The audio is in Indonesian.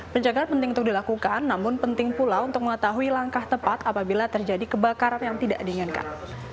penjagaan penting untuk dilakukan namun penting pula untuk mengetahui langkah tepat apabila terjadi kebakaran yang tidak diinginkan